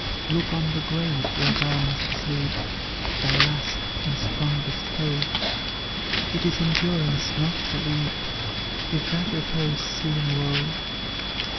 "Look on the grave where thou must sleep Thy last, and strongest foe; It is endurance not to weep, If that repose seem woe.